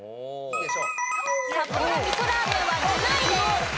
札幌味噌ラーメンは７位です。